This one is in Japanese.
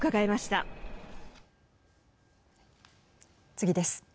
次です。